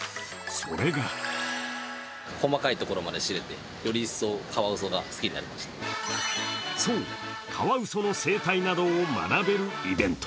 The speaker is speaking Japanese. それがそう、カワウソの生体などを学べるイベント。